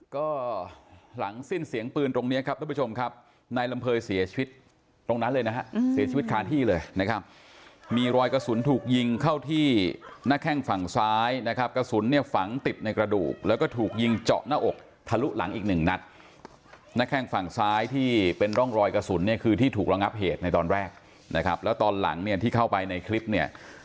ก็หลังสิ้นเสียงปืนตรงนี้ครับทุกผู้ชมครับในลำเภยเสียชีวิตตรงนั้นเลยนะฮะเสียชีวิตคาที่เลยนะครับมีรอยกระสุนถูกยิงเข้าที่นาแข้งฝั่งซ้ายนะครับกระสุนเนี่ยฝังติดในกระดูกแล้วก็ถูกยิงเจาะหน้าอกทะลุหลังอีกหนึ่งนัดนาแข้งฝั่งซ้ายที่เป็นร่องรอยกระสุนเนี่ยคือที่ถูกระงับเหตุใน